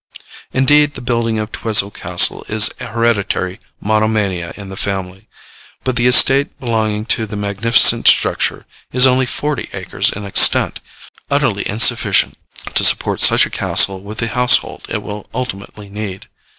Indeed, the building of Twisell castle is a hereditary monomania in the family; but the estate belonging to the magnificent structure is only forty acres in extent utterly insufficient to support such a castle with the household it will ultimately need.